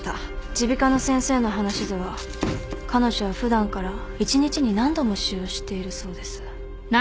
耳鼻科の先生の話では彼女は普段から一日に何度も使用しているそうです。